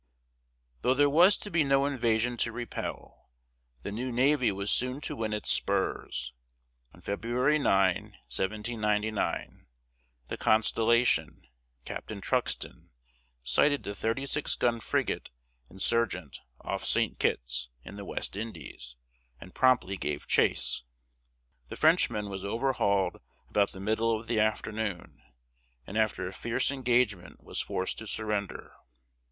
Though there was to be no invasion to repel, the new navy was soon to win its spurs. On February 9, 1799, the Constellation, Captain Truxton, sighted the 36 gun frigate, Insurgente, off St. Kitts, in the West Indies, and promptly gave chase. The Frenchman was overhauled about the middle of the afternoon, and after a fierce engagement was forced to surrender.